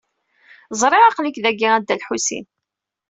Ẓriɣ aql-ik dagi, a Dda Lḥusin.